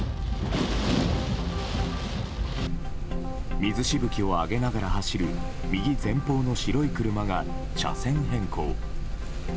水しぶきを上げながら走る右前方の白い車が車線変更。